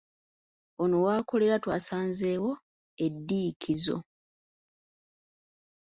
Ono w’akolera twasanzeewo endiikizo.